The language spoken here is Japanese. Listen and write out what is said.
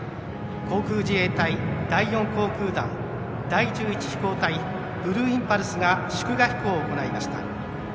航空自衛隊第４航空団第１１飛行隊ブルーインパルスが祝賀飛行を行いました。